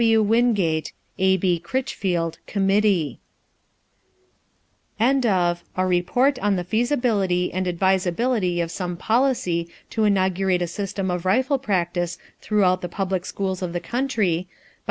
W. WINGATE, A. B. CRITCHFIELD, Committee. End of the Project Gutenberg EBook of A report on the feasibility and advisability of some policy to inaugurate a system of rifle practice throughout the public schools of the country, by George W.